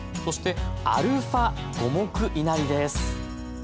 そしてアルファ五目いなりです。